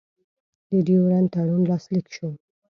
د ډیورنډ تړون لاسلیک شو.